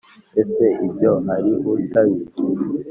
ese ibyo hari utabizi’